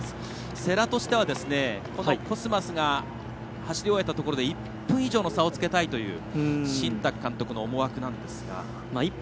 世羅としてはコスマスが走り終えたところで１分以上の差をつけたいという新宅監督の思惑なんですが。